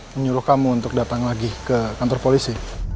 menyuruh kamu untuk datang lagi ke kantor polisi